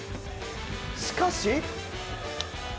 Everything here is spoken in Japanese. しかし。